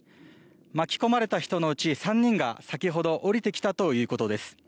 巻き込まれた人のうち３人が先ほど下りてきたということです。